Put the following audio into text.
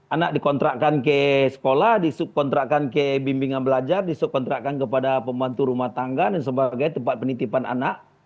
anak dikontrakkan ke sekolah disubkontrakan ke bimbingan belajar disubkontrakkan kepada pembantu rumah tangga dan sebagai tempat penitipan anak